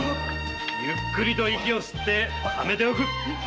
ゆっくりと息を吸ってためておく！